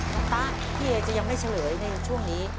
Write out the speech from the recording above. ตะพี่เอจะยังไม่เฉลยในช่วงนี้